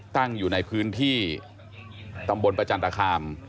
ตั้งอยู่ในพื้นที่ตำบลประจันตคาม